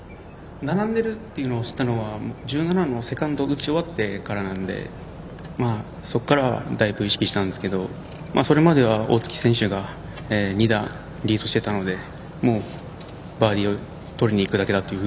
並んでるというのを知ったのは１７のセカンドを打ち終わってからなのでそこからはだいぶ意識したんですけどそれまでは、大槻選手が２打、リードしてたのでもうバーディーをとりにいくだけだという